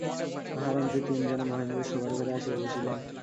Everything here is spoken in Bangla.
আহারান্তে তিন জনে মহেন্দ্রের শোবার ঘরে আসিয়া বসিলেন।